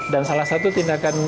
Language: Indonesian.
dan salah satu tindakan